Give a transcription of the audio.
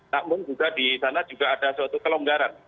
namun juga di sana juga ada suatu kelonggaran